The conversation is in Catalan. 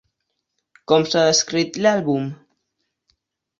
Com s'ha descrit l'àlbum?